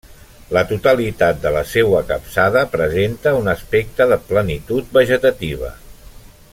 La totalitat de la seua capçada presenta un aspecte de plenitud vegetativa.